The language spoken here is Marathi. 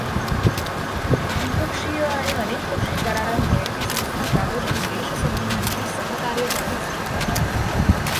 द्विपक्षीय आणि अनेकपक्षी करारांमुळे ती संस्था जागतिक देशसमू्हांशी सहकार्य करत असते.